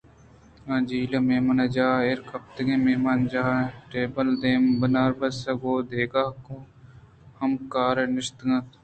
آ جہل ءَ مہمان جاہ ءَ ایر کپت ءُمہمان جاہ ءِ ٹیبل ءِ دیم ءَ بناربس گوں دگہ ہمکارے ءَ نشتگ اَت